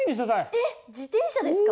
えっ自転車ですか？